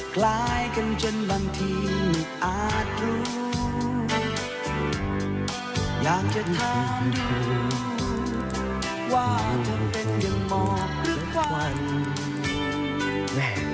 คล้ายกันจนบางทีอาจรู้อยากจะถามดูว่าเธอเป็นอย่างหมอกหรือควัน